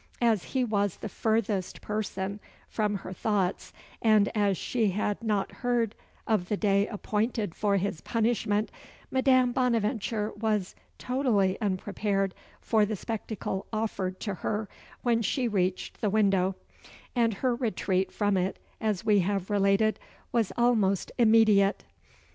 As he was the furthest person from her thoughts, and as she had not heard of the day appointed for his punishment, Madame Bonaventure was totally unprepared for the spectacle offered to her when she reached the window; and her retreat from it, as we have related, was almost immediate.